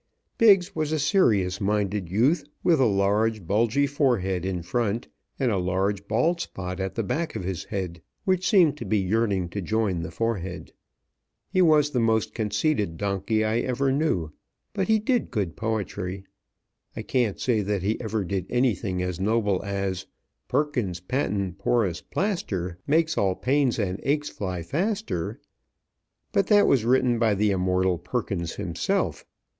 Biggs was a serious minded youth, with a large, bulgy forehead in front, and a large bald spot at the back of his head, which seemed to be yearning to join the forehead. He was the most conceited donkey I ever knew, but he did good poetry. I can't say that he ever did anything as noble as, "Perkins's Patent Porous Plaster Makes all pains and aches fly faster," but that was written by the immortal Perkins himself.